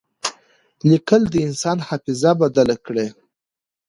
لیکل د انسان حافظه بدل کړه.